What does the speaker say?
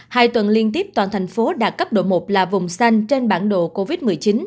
hai tuần liên tiếp toàn thành phố đạt cấp độ một là vùng xanh trên bản đồ covid một mươi chín